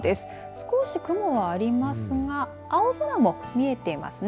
少し雲はありますが青空も見えていますね。